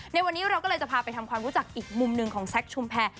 ในวันนี้เราก็เลยจะพาไปทำความรู้จักอีกมุมหนึ่งของแซคชุมแพร